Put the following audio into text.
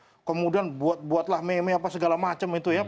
kemudian buat buatlah meme apa segala macam itu ya